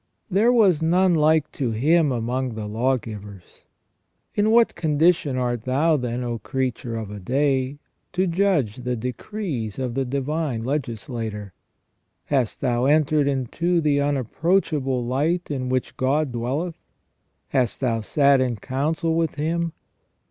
" There was none like to Him among the lawgivers." In what condition art thou, then, O creature of a day, to judge the decrees of the Divine Legislator ? Hast thou entered into the unapproach able light in which God dwelleth ? Hast thou sat in council with Him